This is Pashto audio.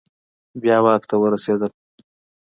بیا واک ته ورسیدل